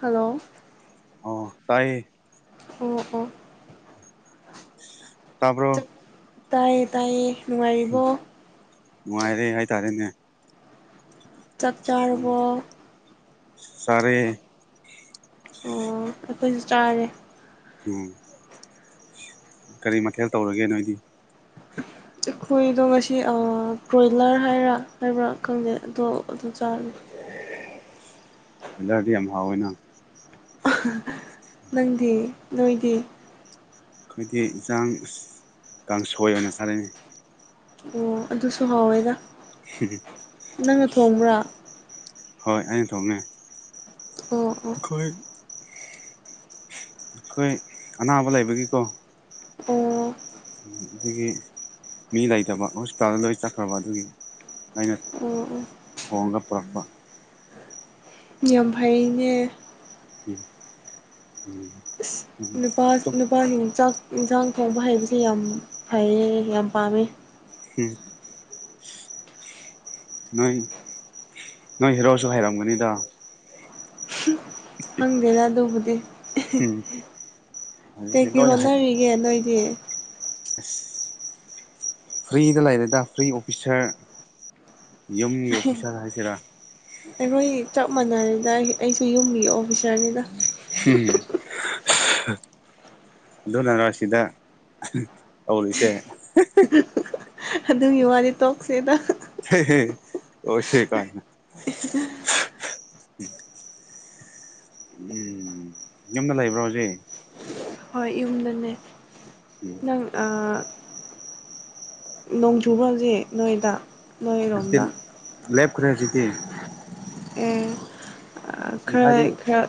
hello ꯑꯣ ꯇꯥꯏꯌꯦ ꯑꯣ ꯑꯣ ꯆꯥꯛ ꯇꯥꯄꯣ ꯇꯥꯏꯌꯦ ꯇꯥꯏꯌꯦ ꯅꯨꯡꯉꯥꯏꯔꯤꯕꯣ ꯅꯨꯡꯉꯥꯏꯔꯦ ꯍꯥꯏꯇꯥꯔꯦꯅꯦ ꯆꯥꯛ ꯆꯥꯔꯕ ꯁꯔꯦ ꯑꯣ ꯑꯩꯈꯣꯏꯁꯨ ꯆꯥꯔꯦ ꯎꯝ ꯀꯔꯤ ꯃꯊꯦꯜ ꯇꯧꯔꯒꯦ ꯅꯣꯏꯗꯤ ꯑꯩꯈꯣꯏꯗꯣ ꯉꯁꯤ ꯕ꯭ꯔꯣꯏꯂꯔ ꯍꯥꯏꯔ ꯍꯥꯏꯕ꯭ꯔꯥ ꯈꯪꯗꯦ ꯑꯗꯣ ꯑꯗꯨ ꯆꯥꯔ ꯑꯣꯣꯏꯂꯔꯗꯤ ꯌꯥꯝ ꯍꯥꯎꯋꯦꯅꯪ [inaudible] ꯅꯪꯗꯤ ꯅꯣꯏꯗꯤ ꯑꯩꯈꯣꯏꯗꯤ ꯏꯟꯁꯥꯡ ꯀꯥꯡꯁꯣꯏ ꯑꯣꯏꯅ ꯆꯥꯅꯩ ꯑꯣ ꯑꯗꯨꯁꯨ ꯍꯥꯎꯋꯦꯗ ꯁꯤ ꯅꯪꯅ ꯊꯣꯡꯕ꯭ꯔꯥ ꯍꯣꯏ ꯑ ꯊꯣꯡꯉ ꯑꯣ ꯑꯣ ꯑꯩꯈꯣꯏ ꯑꯩꯈꯣꯏ ꯑꯅꯥꯕ ꯂꯩꯕꯒꯤꯀꯣ ꯑꯣ ꯑꯣ ꯑꯗꯨꯒꯤ ꯃꯤ ꯂꯩꯇꯕ ꯍꯣꯁꯄꯤꯇꯥꯜꯗ ꯂꯣꯏ ꯆꯠꯈ꯭ꯔꯕ ꯑꯗꯨꯒꯤ ꯑꯩꯅ ꯑꯣ ꯊꯣꯡꯒ ꯄꯨꯔꯛꯄ ꯌꯥꯝ ꯐꯩꯅꯦ ꯎꯝ ꯎꯝ ꯅꯨꯄꯥ ꯇꯨꯞ ꯅꯨꯄꯥꯁꯤꯡ ꯆꯥꯛ ꯏꯟꯁꯥꯡ ꯊꯣꯡꯕ ꯍꯩꯕꯁꯦ ꯌꯥꯝ ꯐꯩꯌꯦ ꯌꯥꯝ ꯄꯥꯝꯃꯦ ꯍꯝ ꯅꯣꯏ ꯅꯣꯏ ꯍꯦꯔꯣꯁꯨ ꯍꯩꯔꯝꯒꯅꯤꯗ ꯈꯪꯗꯦꯅ ꯑꯗꯨꯕꯨꯗꯤ ꯎꯝ ꯍꯧꯖꯤꯛꯇꯤ ꯀꯩꯀꯩ ꯂꯣꯏ ꯍꯩ ꯍꯣꯠꯅꯔꯤꯒꯦ ꯅꯣꯏꯗꯤ [unintelligible] ꯐ꯭ꯔꯤꯗ ꯂꯩꯔꯦꯗ ꯐ꯭ꯔꯤ ꯑꯣꯐꯤꯁꯥꯔ ꯌꯨꯝꯒꯤ ꯑꯣꯐꯤꯁꯥꯔ ꯍꯥꯏꯁꯤꯔꯥ ꯑꯩꯈꯣꯏ ꯆꯞ ꯃꯥꯟꯅꯔ‌ꯦꯗ ꯑꯩ ꯑꯩꯖꯨ ꯌꯨꯝꯒꯤ ꯑꯣꯐꯤꯁꯥꯔꯅꯤꯗ [unintelligible] ꯑꯗꯨꯅꯔ ꯁꯤꯗ ꯇꯧꯔꯤꯁꯦ ꯑꯗꯨꯒꯤ ꯋꯥꯗꯤ ꯇꯣꯛꯁꯦꯗ ‌ꯍ‌ꯦꯍ‌ꯦ ꯑꯣꯁ‌ꯦ ꯀꯥꯏꯅ ꯎꯝ ꯌꯨꯝꯗ ꯂꯩꯕ꯭ꯔꯣ ꯍꯨꯖꯤ ꯍꯣꯏ ꯌꯨꯝꯗꯅꯦ ꯎꯝ ꯅꯪ ꯅꯣꯡ ꯆꯨꯕꯔꯥ ꯍꯧꯖꯤꯛ ꯅꯣꯏꯗ ꯅꯣꯏꯔꯣꯝꯗ [unintelligible] ꯂꯦꯞꯈ꯭ꯔꯦ ꯍꯧꯖꯤꯛꯇꯤ ꯑꯦ ꯑꯁ ꯈꯔ ꯉꯁꯥꯏꯗꯤ ꯈꯔ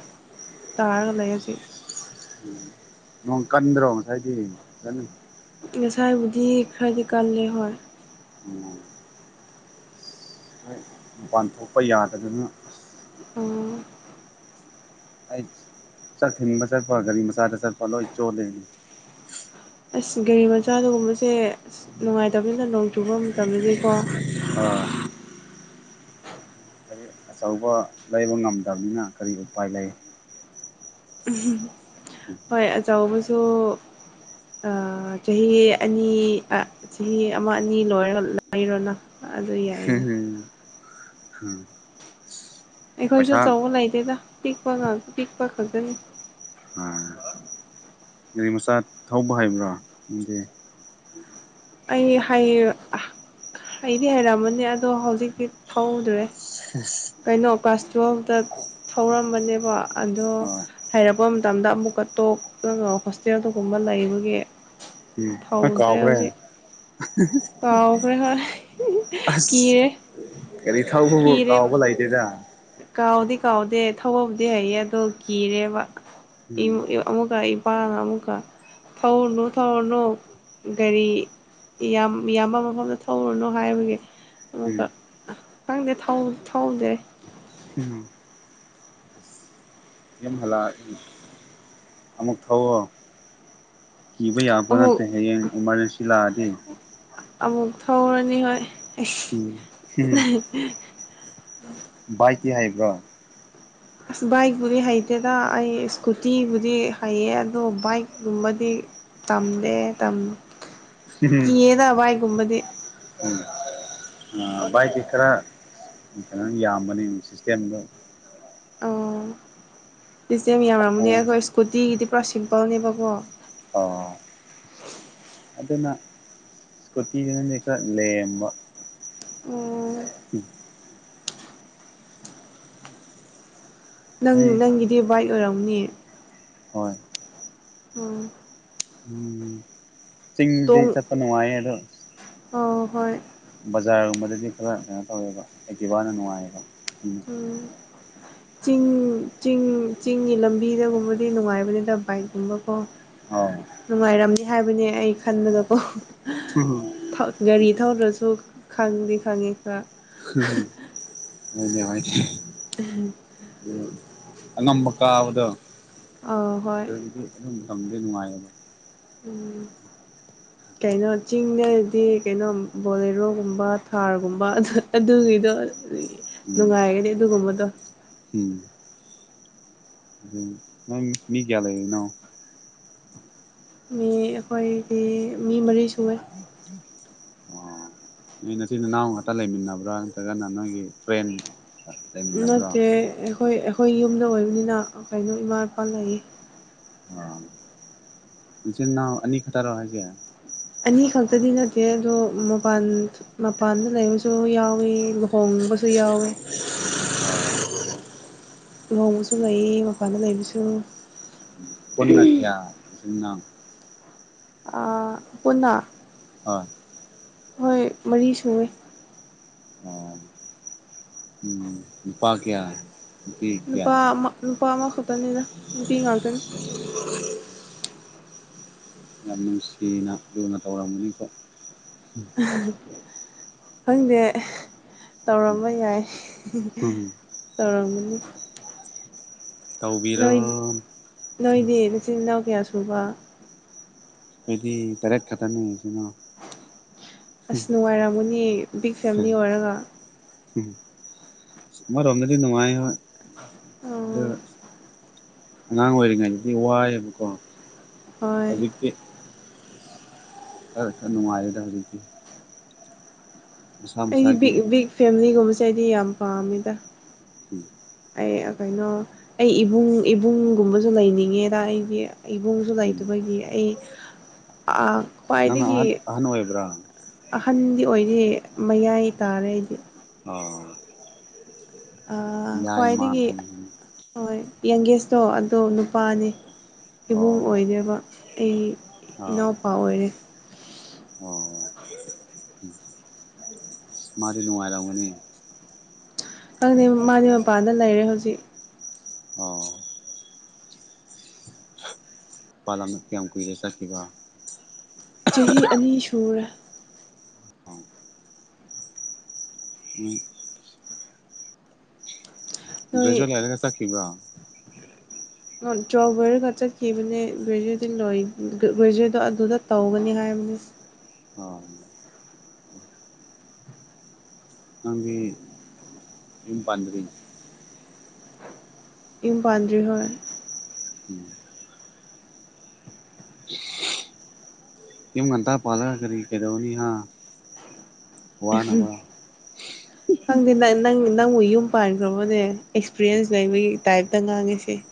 ꯇꯥꯔꯒ ꯂꯩ ꯍꯧꯖꯤꯛ [unintelligible] ꯅꯣꯡ ꯀꯟꯗ꯭ꯔꯣ ꯉꯁꯥꯏꯗꯤ ꯀꯟꯅ ꯉꯁꯥꯏꯕꯨꯗꯤ ꯈꯔꯗꯤ ꯀꯜꯂꯦ ꯍꯣꯏ ꯎꯝ ꯃꯄꯥꯟ ꯊꯣꯛꯄ ꯌꯥꯗꯗꯅ ꯎꯝ ꯑꯩ ꯆꯥꯛ ꯊꯤꯟꯕ ꯆꯠꯄ ꯒꯥꯔꯤ ꯃꯆꯥꯗ ꯆꯠꯄ ꯂꯣꯏ ꯆꯣꯠꯂ‌ꯦꯅ‌ꯦ ꯑꯁ ꯒꯥꯔꯤ ꯃꯆꯥꯗꯒꯨꯝꯕꯁꯦ ꯑꯁ ꯅꯨꯡꯉꯥꯏꯇꯕꯅꯤꯅ ꯅꯣꯡ ꯆꯨꯕ ꯃꯇꯝꯗꯗꯤꯀꯣ ꯑꯥ ꯒꯥꯔꯤ ꯑꯆꯧꯕ ꯂꯩꯕ ꯉꯝꯗꯕꯅꯤꯅ ꯀꯔꯤ ꯎꯄꯥꯏ ꯂꯩ [unintelligible] ꯍꯣꯏ ꯑꯆꯧꯕꯁꯨ ꯑ ꯆꯍꯤ ꯑꯅꯤ ꯑ ꯆꯍꯤ ꯑꯃ ꯑꯅꯤ ꯂꯣꯏꯔꯒ ꯂꯩꯔꯣꯅ ꯑꯗꯨ ꯌꯥꯏꯅ [unintelligible] ꯑꯩꯈꯣꯏꯁꯨ ꯄꯩꯁꯥ ꯑꯆꯧꯕ ꯂꯩꯇꯦꯗ ꯄꯤꯛꯄ ꯉꯛ ꯄꯤꯛꯄ ꯈꯛꯇꯅꯤ ꯑꯥ ꯒꯥꯔꯤ ꯃꯆꯥ ꯊꯧꯕ ꯍꯩꯕ꯭ꯔꯥ ꯑꯗꯨꯗꯤ ꯑꯩ ꯍꯩ ꯑ ꯍꯩꯗꯤ ꯍꯩꯔꯝꯕꯅꯦ ꯑꯗꯣ ꯍꯧꯖꯤꯛꯇꯤ ꯊꯧꯗ꯭ꯔꯦ ꯁꯤꯁ ꯀꯩꯅꯣ ꯀ꯭ꯂꯥꯁ ꯇꯨꯌꯦꯜꯐꯇ ꯊꯧꯔꯝꯕꯅꯦꯕ ꯑꯗꯣ ꯑꯥ ꯍꯩꯔꯛꯄ ꯃꯇꯝꯗ ꯑꯃꯨꯛꯀ ꯇꯣꯛꯂꯒ ꯍꯣꯁꯇꯦꯜꯗꯨꯒꯨꯝꯕ ꯂꯩꯕꯒꯤ ꯎꯝ ꯅꯪ ꯊꯧꯗ꯭ꯔꯦ ꯀꯥꯎꯈ꯭ꯔꯦ ꯍꯧꯖꯤꯛ [unintelligible] ꯀꯥꯎꯈ꯭ꯔꯦ ꯍꯣꯏ ꯑꯁ ꯀꯤꯔꯦ ꯒꯔꯤ ꯊꯥꯎꯕꯕꯨ ꯀꯤꯔꯦꯕ ꯀꯥꯎꯕ ꯂꯩꯇꯦꯗ ꯀꯥꯎꯗꯤ ꯀꯥꯎꯗꯦ ꯊꯧꯕꯕꯨꯗꯤ ꯍꯩꯌꯦ ꯑꯗꯣ ꯀꯤꯔꯦꯕ ꯎꯝ ꯏ ꯑꯃꯨꯀ ꯏꯄꯥꯅ ꯑꯃꯨꯀ ꯊꯧꯔꯨꯅꯨ ꯊꯧꯔꯨꯅꯨ ꯒꯥꯔꯤ ꯃꯤꯌꯥꯝ ꯃꯤꯌꯥꯝꯕ ꯃꯐꯝꯗ ꯊꯧꯔꯨꯅꯨ ꯍꯥꯏꯕꯒꯤ ꯑꯃꯨꯀ ꯈꯪꯗꯦ ꯊꯧ ꯊꯧꯗꯦ ꯎꯝ [unintelligible] ꯑꯃꯨꯛ ꯊꯧꯋ‌ꯣ ꯀꯤꯕ ꯌꯥꯕ ꯅꯠꯇꯦ ꯑꯃꯨꯛ ꯍꯌꯦꯡ ꯏꯃꯥꯔꯖꯦꯟꯁꯤ ꯂꯥꯛꯑꯗꯤ ꯑꯃꯨꯛ ꯊꯧꯔꯅꯤ ꯍꯣꯏ ꯎꯝ ꯑꯩꯁ ꯚꯥꯏꯠꯇꯤ ꯍꯩꯕ꯭ꯔꯣ ꯑꯁ ꯕꯥꯏꯛꯄꯨꯗꯤ ꯍꯩꯇꯦꯗ ꯑꯩ ꯏꯁꯀꯨꯇꯤꯕꯨꯗꯤ ꯍꯩꯌꯦ ꯑꯗꯣ ꯕꯥꯏꯛꯀꯨꯝꯕꯗꯤ ꯇꯝꯗꯦ ꯇꯝ ꯀꯤꯌꯦꯗ ꯚꯥꯏꯛꯒꯨꯝꯕꯗꯤ ꯑꯥ ꯕꯥꯏꯠꯗꯤ ꯈꯔ ꯀꯩꯅ‌ꯣ ꯌꯥꯝꯕꯅꯦ ꯁꯤꯁꯇꯦꯝꯗ‌ꯣ ꯁꯤꯁꯇꯦꯝ ꯌꯥꯝꯔꯝꯃꯅꯦ ꯑꯣ ꯑꯩꯈꯣꯏ ꯁ꯭ꯀꯨꯇꯤꯒꯤꯗꯤ ꯄꯨꯔꯥ ꯁꯤꯝꯄꯜꯅꯦꯕꯀꯣ ꯑꯣ ꯑꯗꯨꯅ ꯁꯀꯨꯇꯤꯗꯨꯅ ꯂꯦꯝꯕ ꯑꯣ ꯎꯝ ꯅꯪ ꯎꯝ ꯅꯪꯒꯤꯗꯤ ꯕꯥꯏꯛ ꯑꯣꯏꯔꯝꯅꯤ ꯍꯣꯏ ꯎꯝ ꯎꯝ ꯆꯤꯡꯗꯤ ꯆꯠꯄ ꯅꯨꯡꯉꯥꯏꯑꯦ ꯑꯗꯣ ꯑꯣ ꯍꯣꯏ ꯕꯖꯥꯔꯒꯨꯝꯕꯗꯗꯤ ꯈꯔ ꯀꯩꯅꯣ ꯇꯧꯋꯦꯕ ꯑꯦꯛꯇꯤꯕꯥꯅ ꯅꯨꯡꯉꯥꯏꯌꯦꯕ ꯎꯝ ꯎ ꯆꯤꯡ ꯆꯤꯡ ꯆꯤꯡꯒꯤ ꯂꯝꯕꯤꯗꯒꯨꯝꯕꯗꯤ ꯅꯨꯡꯉꯥꯏꯕꯅꯤꯗ ꯕꯥꯏꯛꯀꯨꯝꯕꯀꯣ ꯑꯧ ꯅꯨꯡꯉꯥꯏꯔꯝꯅꯤ ꯍꯥꯏꯕꯅꯦ ꯑꯩ ꯈꯟꯕꯗꯀꯣ ꯍꯝ ꯍꯨꯝ ꯒꯥꯔꯤ ꯊꯧꯗ꯭ꯔꯁꯨ ꯈꯪꯗꯤ ꯈꯪꯉꯤ ꯈꯔ ꯃꯅꯦ ꯍꯥꯏꯅꯦꯦ ꯎꯝ ꯎꯝ ꯑꯉꯝꯕ ꯀꯥꯕꯗꯣ ꯑꯥ ꯍꯣꯏ ꯑꯗꯨꯗꯤ ꯑꯗꯨꯝ ꯃꯇꯝꯗꯦ ꯅꯨꯡꯉꯥꯏꯌꯦꯕ ꯎꯝ ꯀꯩꯅꯣ ꯆꯤꯡꯗꯗꯤ ꯀꯩꯅꯣ ꯕꯣꯂꯦꯔꯣꯒꯨꯝꯕ ꯊꯥꯔꯒꯨꯝꯕ ꯑꯗꯨ ꯑꯗꯨꯒꯤꯗꯣ ꯎꯝ ꯅꯨꯡꯉꯥꯏꯒꯅꯤ ꯑꯗꯨꯒꯨꯝꯕꯗꯣ ꯎꯝ ꯑꯗꯨ ꯅꯪ ꯃꯤ ꯀꯌꯥ ꯂꯩꯔꯤꯅꯣ ꯃꯤ ꯑꯩꯈꯣꯏꯗꯤ ꯃꯤ ꯃꯔꯤ ꯁꯨꯑꯦ ꯑꯣ ꯅꯣꯏ ꯅꯆꯤꯟ ꯅꯅꯥꯎ ꯉꯥꯛꯇ ꯂꯩꯃꯤꯟꯅꯕ꯭ꯔꯥ ꯅꯠꯇ꯭ꯔꯒꯅ ꯅꯣꯏꯒꯤ ꯐ꯭ꯔꯦꯟ ꯂꯩꯃꯤꯟꯅꯕ꯭ꯔꯣ ꯅꯠꯇꯦ ꯑꯩꯈꯣꯏ ꯑꯩꯈꯣꯏ ꯌꯨꯝꯗ ꯑꯣꯏꯕꯅꯤꯅ ꯀꯩꯅꯣ ꯏꯃꯥ ꯏꯄꯥ ꯂꯩꯌꯦ ꯑꯥ ꯏꯆꯤꯟꯅꯥꯎ ꯑꯅꯤ ꯈꯛꯇꯔꯣ ꯍꯥꯏꯁꯦ ꯑꯅꯤ ꯈꯛꯇꯗꯤ ꯅꯠꯇꯦ ꯑꯗꯣ ꯃꯄꯥꯟ ꯃꯄꯥꯟꯗ ꯂꯩꯕꯁꯨ ꯌꯥꯎꯋꯤ ꯂꯨꯍꯣꯡꯕꯁꯨ ꯌꯥꯎꯏꯤ ꯂꯨꯍꯣꯡꯕꯁꯨ ꯂꯩꯌꯦ ꯃꯄꯥꯟꯗ ꯂꯩꯕꯁꯨ ꯄꯨꯟꯅ ꯀꯌꯥ ꯄꯨꯟꯅ ꯑ ꯄꯨꯟꯅ ꯑ ꯍꯣꯏ ꯃꯔꯤ ꯁꯨꯑꯦ ꯑꯣ ꯎꯝ ꯄꯥ ꯀꯌꯥ ꯅꯨꯄꯤ ꯀꯌꯥ ꯅꯨꯄꯥ ꯑꯃ ꯅꯨꯄꯥ ꯑꯃꯈꯛꯇꯅꯤꯅ ꯅꯨꯄꯤ ꯉꯥꯛꯇꯅꯤ ꯌꯥꯝ ꯅꯨꯡꯁꯤꯅ ꯂꯨꯅ ꯇꯧꯔꯝꯒꯅꯤꯀꯣ ꯈꯪꯗꯦ ꯇꯧꯔꯝꯕ ꯌꯥꯏ ꯎꯝ ꯇꯧꯔꯝꯒꯅꯤ ꯇꯧꯕꯤꯔꯣ ꯅꯣꯏ ꯅꯣꯏꯗꯤ ꯅꯆꯤꯜ ꯅꯅꯥꯎ ꯀꯌꯥ ꯁꯨꯕ ꯑꯩꯈꯣꯏꯗꯤ ꯇꯔꯦꯠ ꯈꯛꯇꯅꯦ ꯏꯆꯤꯜ ꯏꯅꯥꯎ ꯑꯁ ꯅꯨꯡꯉꯥꯏꯔꯝꯒꯅꯤ ꯕꯤꯛ ꯐꯦꯃꯤꯂꯤ ꯑꯣꯏꯔꯒ ꯎꯝ ꯑꯃ ꯔꯣꯝꯗꯗꯤ ꯅꯉꯥꯏ ꯍꯣꯏ ꯑꯗꯨ ꯎꯝ ꯑꯉꯥꯡ ꯑꯣꯏꯔꯤꯉꯩꯗꯗꯤ ꯋꯥꯏꯌꯦꯕꯀꯣ ꯍꯣꯏ ꯍꯧꯖꯤꯛꯇꯤ ꯈꯔ ꯈꯔ ꯅꯨꯡꯉꯥꯏꯔꯦꯗ ꯍꯧꯖꯤꯛꯇꯤ ꯃꯁꯥ ꯑꯩꯗꯤ ꯃꯁꯥꯒꯤ ꯕꯤꯛ ꯕꯤꯛ ꯐꯦꯃꯤꯂꯤꯒꯨꯝꯕꯁꯦ ꯑꯩꯗꯤ ꯌꯥꯝ ꯄꯥꯝꯃꯤꯗ ꯎꯝ ꯑꯩ ꯑ ꯀꯩꯅꯣ ꯑꯩ ꯏꯕꯨꯡ ꯏꯕꯨꯡꯒꯨꯝꯕꯖꯨ ꯂꯩꯅꯤꯡꯉꯦꯗ ꯑꯩꯗꯤ ꯏꯕꯨꯡꯁꯨ ꯎꯝ ꯂꯩꯇꯕꯒꯤ ꯑꯩ ꯑꯥ ꯅꯪꯅ ꯈ꯭ꯋꯥꯏꯗꯒꯤ ꯑꯍꯟ ꯑꯍꯟ ꯑꯣꯏꯕ꯭ꯔꯥ ꯑꯍꯟꯗꯤ ꯑꯣꯏꯗꯦ ꯃꯌꯥꯏ ꯇꯥꯔꯦ ꯑꯩꯗꯤ ꯑꯣ ꯑꯥ ꯌꯥꯏꯃ ꯈ꯭ꯋꯥꯏꯗꯒꯤ ꯍꯥꯏꯕꯗꯨꯅꯤ ꯍꯣꯏ ꯌꯪꯒꯦꯁꯇꯣ ꯑꯗꯣ ꯅꯨꯄꯥꯅꯤ ꯏꯕꯨꯡ ꯑꯣ ꯑꯣꯏꯗꯦꯕ ꯑꯩ ꯑꯥ ꯏꯅꯥꯎꯄꯥ ꯑꯣꯏꯔꯦ ꯑꯣ ꯃꯥꯗꯤ ꯅꯨꯡꯉꯥꯏꯔꯝꯒꯅꯤ ꯈꯪꯗꯦ ꯃꯥꯗꯤ ꯃꯄꯥꯟꯗ ꯂꯩꯔꯦ ꯍꯧꯖꯤꯛ ꯑꯣ ꯃꯄꯥꯂꯝꯗ ꯀꯌꯥꯝ ꯀꯨꯏꯔꯦ ꯆꯠꯈꯤꯕ ꯆꯍꯤ ꯑꯅꯤ ꯁꯨꯔꯦ ꯑꯣ ꯅꯣꯏ ꯒ꯭ꯔꯦꯖꯨꯑꯦꯠ ꯂꯣꯏꯔꯒ ꯆꯠꯈꯤꯕ꯭ꯔꯣ ꯅꯣꯟ ꯇꯨꯌꯦꯜ ꯂꯣꯏꯔꯒ ꯆꯠꯈꯤꯕꯅꯦ ꯒ꯭ꯔꯦꯖꯨꯋꯦꯠꯇꯤ ꯂꯣꯏ ꯒ꯭ꯔꯦꯖꯨꯋꯦꯠꯇꯣ ꯑꯗꯨꯗ ꯇꯧꯒꯅꯤ ꯍꯥꯏꯕꯅꯤ ꯑꯣꯝ ꯅꯪꯒꯤ ꯌꯨꯝ ꯄꯥꯟꯗꯔꯤ ꯌꯨꯝ ꯄꯥꯟꯗ꯭ꯔꯤ ꯍꯣꯏ ꯎꯝ ꯌꯨꯝ ꯉꯟꯇꯤ ꯄꯥꯜꯂꯒ ꯀꯔꯤ ꯀꯩꯗꯧꯅꯤ ꯍꯥ ꯋꯥꯅꯕ [unintelligible] ꯈꯪꯗꯦ ꯅꯪ ꯅꯪ ꯅꯪꯕꯨ ꯌꯨꯝ ꯄꯥꯟꯈ꯭ꯔꯕꯅꯦ ꯑꯦꯛꯁꯄꯤꯔꯤꯌꯦꯟꯁ ꯂꯩꯕꯒꯤ ꯇꯥꯏꯞꯇ ꯉꯥꯡꯉꯤꯁꯦ [inaudible]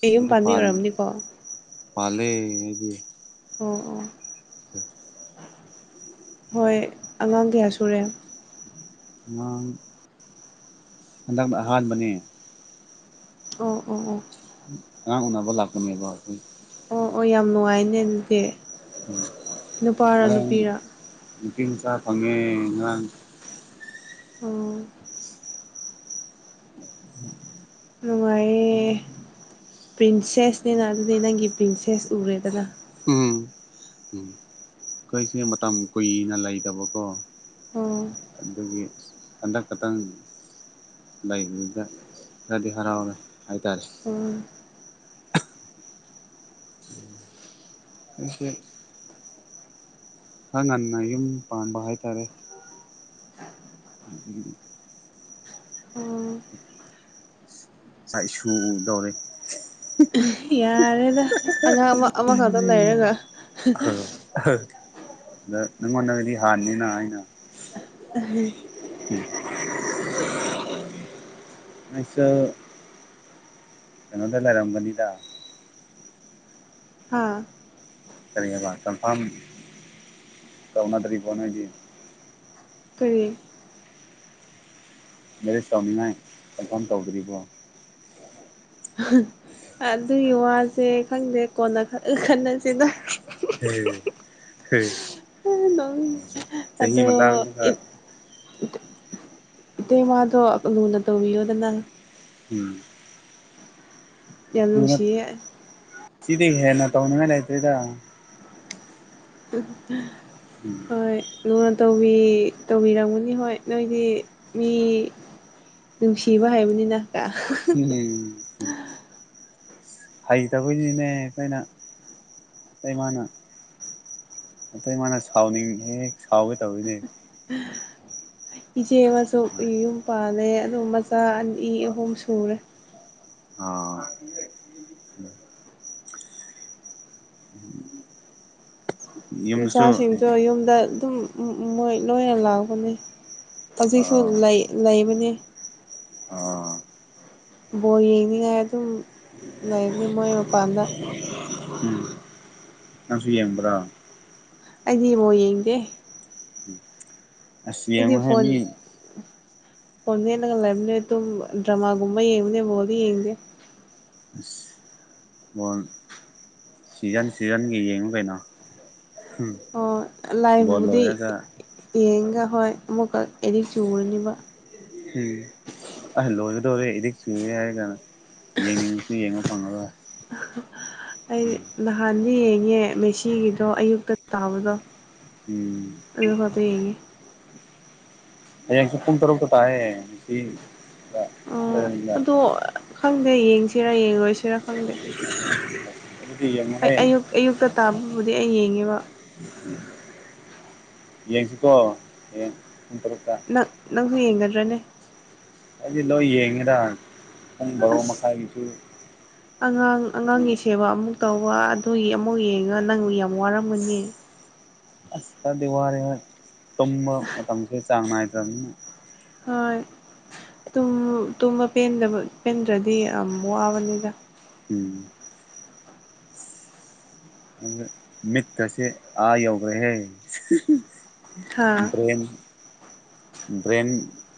ꯑꯩ ꯌꯨꯝ ꯑꯩꯗꯤ ꯄꯥꯟꯕꯤ ꯄꯥꯜ ꯑꯣꯏꯔꯝꯅꯤꯀꯣ ꯑꯣ ꯄꯥꯜꯂꯦ ꯑꯩꯗꯤ ꯑꯣ ꯑꯣ ꯍꯣꯏ ꯑꯉꯥꯡ ꯀꯌꯥ ꯁꯨꯔꯦ ꯑꯉꯥꯡ ꯍꯟꯗꯛꯅ ꯑꯍꯥꯟꯕꯅꯦ ꯑꯣ ꯑꯣ ꯑꯣ ꯑꯉꯥꯡ ꯎꯟꯅꯕ ꯂꯥꯛꯄꯅꯦꯕ ꯑꯩꯈꯣꯏ ꯑꯣ ꯑꯣ ꯌꯥꯝ ꯅꯨꯡꯉꯥꯏꯅꯦ ꯑꯗꯨꯗꯤ ꯅꯨꯄꯥꯔ ꯉꯔꯥꯡ ꯅꯨꯄꯤꯔ ꯅꯨꯄꯤꯃꯆꯥ ꯐꯪꯉꯦ ꯉꯔꯥꯡ ꯑꯣ ꯅꯨꯡꯉꯥꯏꯌꯦ ꯄ꯭ꯔꯤꯟꯁꯦꯁꯅꯤꯅ ꯑꯗꯨꯗꯤ ꯅꯪꯒꯤ ꯄ꯭ꯔꯤꯟꯁꯦꯁ ꯎꯔꯦꯗꯅ ꯎꯝ ꯎꯝ ꯑꯩꯈꯣꯏꯁꯦ ꯃꯇꯝ ꯀꯨꯏꯅ ꯂꯩꯇꯕꯀꯣ ꯑꯣ ꯑꯗꯨꯒꯤ ꯍꯟꯗꯛ ꯈꯇꯪ ꯂꯩꯕꯗꯨꯗ ꯈꯔꯗꯤ ꯍꯔꯥꯎꯔꯦ ꯍꯥꯏꯇꯥꯔꯦ ꯑꯣ ꯑꯣ ꯑꯩꯁꯦ ꯈꯔ ꯉꯟꯅ ꯌꯨꯝ ꯄꯥꯕ ꯍꯥꯏꯇꯥꯔꯦ [unintelligible] ꯏꯆꯥꯛ ꯏꯁꯨ ꯎꯗꯧꯔꯦ ꯌꯥꯔꯦꯗ ꯑꯉꯥꯡ ꯑꯃ ꯑꯃꯈꯛꯇ ꯂꯩꯔꯒ [unintelligible] [unintelligible] ꯑꯩꯁꯨ ꯀꯩꯅꯣꯗ ꯂꯩꯔꯝꯕꯅꯤꯗ ꯍꯥꯥ ꯀꯔꯤ ꯍꯥꯏꯕ ꯀꯟꯐꯥꯝ ꯇꯧꯅꯗꯔꯕ ꯣ ꯅ ꯦꯏꯗꯤ ꯀꯔꯤ ꯃꯦꯔꯦꯖ ꯇꯧꯅꯤꯉꯥꯏ ꯀꯟꯐꯥꯝ ꯇꯧꯗ꯭ꯔꯤꯕꯣ ꯑꯗꯨꯒꯤ ꯋꯥꯁꯦ ꯈꯪꯗꯦ ꯀꯣꯟꯅ ꯈꯁꯤꯗ ꯑꯦ ꯍꯝ ꯑꯗ ꯃꯇꯥꯡꯗꯨꯒ ꯏ ꯏꯇꯩ ꯃꯥꯗ ꯣ ꯂꯨꯅ ꯇꯧꯕꯤ ꯑꯣꯗ ꯅ ꯎꯝ ꯌꯥꯝ ꯅꯨꯡꯁꯤꯌꯦ ꯁꯤꯗꯤ ꯍꯦꯟꯅ ꯇꯧꯅꯤꯡꯉ ꯂꯩꯥꯏꯇꯦꯗ ꯎ ꯎꯝ ꯍꯣꯏ ꯂꯨꯅ ꯇꯧꯕꯤ ꯇꯧꯕꯤꯔꯝꯒꯅꯤ ꯍꯣꯏ ꯅꯣꯏꯗꯤ ꯃꯤ ꯅꯨꯡꯁꯤꯕ ꯍꯩꯕꯅꯤꯅ ꯍꯩꯇꯕꯣꯏꯅꯤꯅꯦ ꯑꯩꯈ ꯣꯏꯅ ꯑꯩꯃꯥꯅ ꯅꯇꯩ ꯃꯥꯅ ꯁꯥꯎꯅꯤꯡ ꯍꯦꯛ ꯁꯥꯎꯋꯦ ꯇꯧꯋꯔꯤꯅꯦ ꯏꯆꯦ ꯑꯃꯁꯨ ꯌꯨꯝ ꯄꯥꯜꯂꯦ ꯑꯗꯨ ꯃꯆꯥ ꯑꯅꯤ ꯑꯍꯨꯝ ꯁꯨꯔꯦ ꯑ ꯌꯨꯝꯗꯁꯨ ꯃꯆꯥꯁꯤꯡꯗꯣ ꯌꯨꯝꯗ ꯑꯗꯨꯝ ꯃꯣꯏ ꯂꯣꯏꯅ ꯂꯥꯛꯄꯅꯦ ꯍꯧꯖꯤꯛꯁꯨ ꯑꯥ ꯂꯩ ꯂꯩꯕꯅꯦ ꯑꯥ ꯕꯣꯜ ꯌꯦꯡꯅꯤꯡꯉꯥꯏ ꯑꯗꯨꯝ ꯂꯩꯕꯅꯦ ꯃꯣꯏ ꯃꯄꯥꯟꯗ ꯎꯝ ꯅꯪꯁꯨ ꯌꯦꯡꯕ꯭ꯔꯣ ꯑꯩꯗꯤ ꯏꯃꯛ ꯌꯦꯡꯗ ꯦ ꯑꯁ ꯏꯗꯤ ꯌꯦꯡꯉꯨꯍꯦ ꯃꯤ ꯐꯣꯟꯣꯟ ꯐꯣꯟ ꯃꯦꯠ ꯂꯒ ꯂꯩꯕꯅꯦ ꯗ꯭ꯔꯃꯥꯒꯨꯝꯕꯗꯤ ꯌꯦꯡꯕꯅꯦ ꯚꯣꯜꯗꯤ ꯌꯦꯡꯉꯗꯦ ꯃꯣꯟ ꯁꯤꯖꯟ ꯁꯤꯖꯟꯒꯤ ꯌꯦꯡꯉꯨ ꯀꯩꯅꯣ ꯑꯣ ꯕꯣꯜ ꯂꯥꯏꯕꯨꯗꯤ ꯂꯣꯏꯔꯒ ꯌꯦꯡꯒ ꯍꯣꯏ ꯑꯃꯨꯛꯀ ꯑꯦꯗꯤ ꯆꯨꯔꯅꯤꯕ ꯑ ꯂꯣꯏꯒꯗꯧꯔ ꯑꯦꯛꯗꯤꯛ ꯆꯨꯅꯤ ꯍꯥꯏꯔꯒ ꯌꯦꯡꯅꯤꯡꯉꯁꯨ ꯌꯦꯡꯕ ꯐꯪꯉꯔꯣꯏ ꯑꯩ ꯎꯝ ꯅꯍꯥꯟꯗꯤ ꯌꯦꯡꯉꯦ ꯃꯦꯁꯤꯒꯤꯗꯣ ꯑꯌꯨꯛꯇ ꯇꯥꯕꯗꯣ ꯎꯝ ꯑꯗꯨ ꯐꯥꯎꯕ ꯌꯡꯑꯦ ꯍꯌꯦꯡꯁꯨ ꯄꯨꯡ ꯇꯔꯨꯛꯇ ꯇꯥꯛꯑꯦ‌ ꯉꯁꯤ ꯑꯣ ꯑꯗꯣ ꯈꯪꯗꯦ ꯌꯦꯡꯁꯤꯔꯥ ꯌꯦꯡꯉꯣꯏꯁꯤꯔ ꯈꯪꯗꯦ ꯑꯗꯨꯗꯤ ꯑꯩ ꯌꯦꯡꯉꯨꯍꯦ ꯑꯌꯨꯛ ꯑꯌꯨꯛꯇ ꯇꯥꯕꯕꯨꯗꯤ ꯑꯩ ꯌꯦꯡꯉꯦꯕ ꯑ [unintelligible] ꯌꯦꯁꯤꯀꯣ ꯍꯩꯌꯦꯡ ꯄꯨꯡ ꯇꯔꯛꯇ ꯅꯪ ꯅꯪꯁꯨ ꯌꯦꯡꯒꯗ꯭ꯔꯅꯦ ꯑꯩꯗꯤ ꯂꯣꯏ ꯌꯦꯡꯉꯤꯗ ꯑꯁ ꯑꯉꯥꯡ ꯑꯉꯥꯡꯒꯤꯁꯤ ꯁꯦꯕꯥ ꯑꯃꯨꯛ ꯇꯧꯕ ꯑꯗꯨꯒꯤ ꯑꯃꯨꯛ ꯌꯦꯡꯉꯒ ꯅꯪ ꯌꯥꯝ ꯋꯥꯔꯝꯒꯅꯤ ꯋꯥꯗꯤ ꯋꯥꯔꯍ ꯦ ꯇꯨꯝꯕ ꯃꯇꯝꯁꯦ ꯆꯥꯡ ꯅꯥꯏꯗ꯭ꯔꯕꯅꯤꯅ ꯍꯣꯏ ꯇꯨꯝꯄꯦꯟꯗ꯭ꯔꯗꯤ ꯌꯥꯝ ꯋꯥꯕꯅꯤꯗ ꯎꯝ ꯃꯤ ꯀꯥꯁꯦ ꯑ ꯌꯧꯒ꯭ꯔꯦ ꯍꯥ ꯕ꯭ꯔꯦꯟ ꯕ꯭ꯔꯦꯟ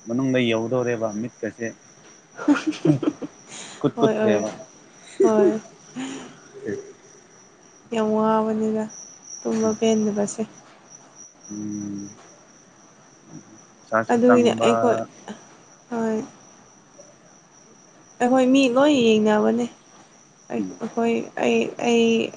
ꯃꯅꯨꯡꯗ ꯌꯧꯗꯧꯔꯦꯕ ꯃꯤꯠꯀꯁꯦ ꯀꯨꯠ ꯍꯣꯏ ꯍꯣꯏ ꯀꯨꯊꯕ ꯍꯣꯏ ꯌꯥꯝ ꯋꯥꯕꯅꯤꯅ ꯇꯨꯝꯕ ꯄꯦꯟꯗꯕꯁꯦ ꯎꯝ ꯎꯝ ꯎꯝ [unintelligible] ꯑꯗꯨꯒꯤꯅꯦ ꯑꯩꯈꯣꯏ ꯍꯣꯏ ꯑꯩꯈꯣꯏ ꯃꯤ ꯂꯣꯏ ꯌꯦꯡꯅꯕꯅꯦ ꯑꯩ ꯎꯝ ꯑꯩꯈꯣꯏ ꯑꯩ ꯑꯩ